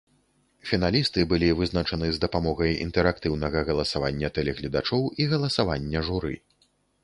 Фіналісты былі вызначаны з дапамогай інтэрактыўнага галасавання тэлегледачоў і галасавання журы.